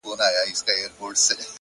مرم د بې وخته تقاضاوو؛ په حجم کي د ژوند؛